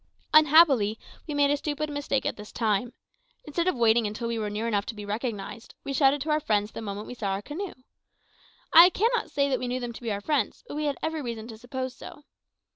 Unhappily we made a stupid mistake at this time. Instead of waiting until we were near enough to be recognised, we shouted to our friends the moment we saw their canoe. I cannot say that we knew them to be our friends, but we had every reason to suppose so.